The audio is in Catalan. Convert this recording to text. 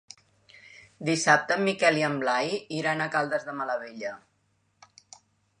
Dissabte en Miquel i en Blai iran a Caldes de Malavella.